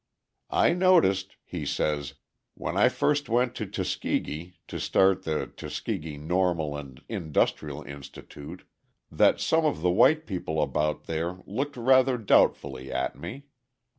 "I noticed," he says, "when I first went to Tuskegee to start the Tuskegee Normal and Industrial Institute, that some of the white people about there looked rather doubtfully at me.